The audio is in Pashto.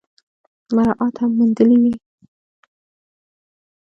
مراعات هم موندلي وي ۔